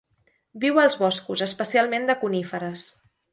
Viu als boscos, especialment de coníferes.